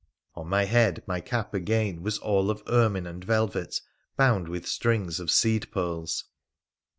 On my head, my cap, again, was all of ermine and velvet, bound with strings of seed pearls.